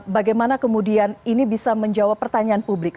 bagaimana kemudian ini bisa menjawab pertanyaan publik